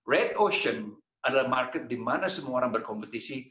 red ocean adalah pasar di mana semua orang berkompetisi